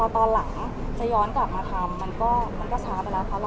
ตอนหลังจะย้อนกลับมาทำมันก็ช้าไปแล้ว